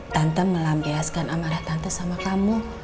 tante melampiaskan amarah tante sama kamu